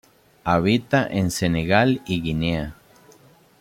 Habita en Senegal y Guinea.